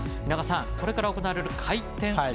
皆川さん、これから行われる回転。